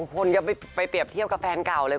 คนก็ไปเปรียบเทียบกับแฟนเก่าเลย